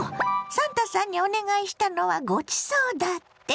サンタさんにお願いしたのは「ごちそう」だって？